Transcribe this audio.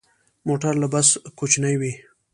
موټر له بس کوچنی وي.